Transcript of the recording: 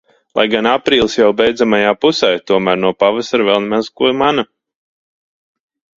Lai gan aprīlis jau beidzamajā pusē, tomēr no pavasara vēl maz ko mana.